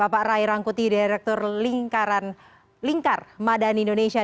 pak rai rangkuti direktur lingkar madani indonesia